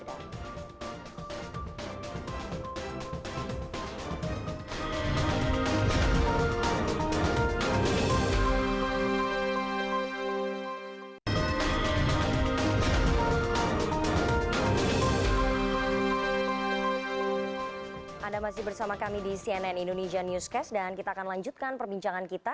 anda masih bersama kami di cnn indonesia newscast dan kita akan lanjutkan perbincangan kita